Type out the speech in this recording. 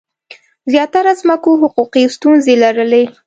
زیاتره ځمکو حقوقي ستونزې لرلې.